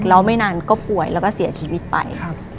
แล้วไม่นานก็ป่วยแล้วก็เสียชีวิตไป